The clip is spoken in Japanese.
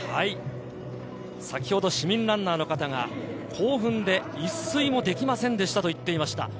先ほど市民ランナーの方が興奮で一睡もできませんでしたと言っていました。